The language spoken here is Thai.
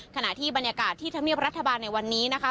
ขณะที่บรรยากาศที่ธรรมเนียบรัฐบาลในวันนี้นะคะ